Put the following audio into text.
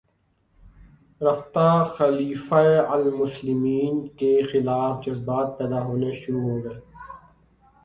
رفتہ خلیفتہ المسلمین کے خلاف جذبات پیدا ہونے شروع ہوگئے